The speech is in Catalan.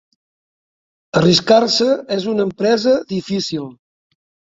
Arriscar-se en una empresa difícil.